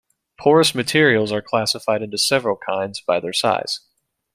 Porous materials are classified into several kinds by their size.